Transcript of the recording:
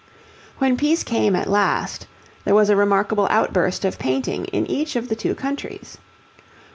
When peace came at last, there was a remarkable outburst of painting in each of the two countries.